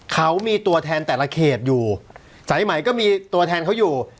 เขามีตัวแทนแต่ละเขตอยู่สายใหม่ก็มีตัวแทนเขาอยู่